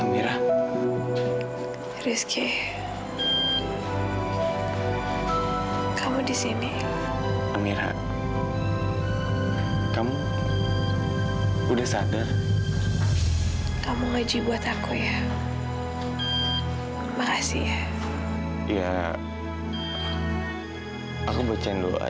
amira rizky kamu disini amira kamu udah sadar kamu ngaji buat aku ya makasih ya iya aku bacaan doa